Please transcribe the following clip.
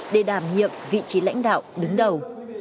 để đảm nhiệm vị trí lãnh đạo đứng đầu